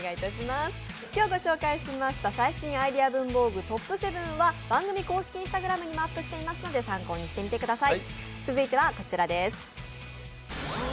今日ご紹介した最新アイデア文房具トップ７は番組公式Ｉｎｓｔａｇｒａｍにもアップしていますので参考にしてみてください。